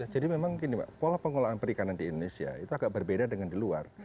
jadi memang pola pengelolaan perikanan di indonesia itu agak berbeda dengan di luar